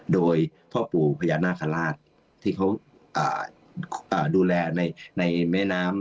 โดยพ่อปู่พญานาคาราชที่เขาดูแลในแม่น้ำ